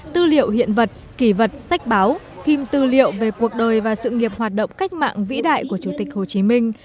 tư liệu hiện vật kỳ vật sách báo phim tư liệu về cuộc đời và sự nghiệp hoạt động cách mạng vĩ đại của chủ tịch hồ chí minh